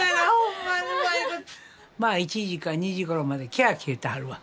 まあ１時か２時頃までキャーキャー言ってはるわ。